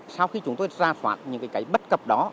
sau khi chúng tôi ra phản những cái bất cập đó